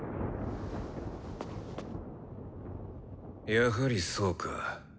やはりそうか。